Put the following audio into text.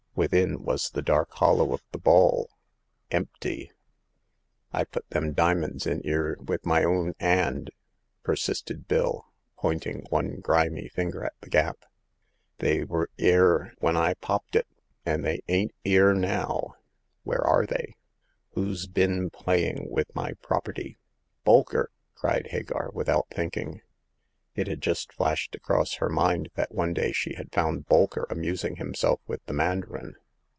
Within was the dark hollow of the ball — empty. " I put them dimins into 'ere with my own 'and,'' persisted Bill, pointing one grimy finger at the gap ;" they were 'ere when I popped it ; they ain't 'ere now. Wher e are they ? Who's bin playing with my property ?"Bolker !" cried Hagar, without thinking. It had just flashed across her mind that one day she had found Bolker amusing himself with the mandarin.